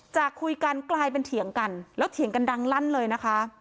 จากคุยกันกลายเป็นเถียงกันแล้วเถียงกันดังลั่นเลยนะคะ